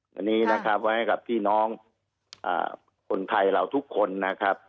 วันนี้นะครับไว้ให้กับพี่น้องคนไทยเราทุกคนนะครับ